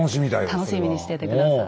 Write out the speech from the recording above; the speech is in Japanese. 楽しみにしてて下さい。